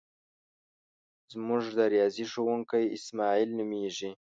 زمونږ د ریاضی ښوونکی اسماعیل نومیږي.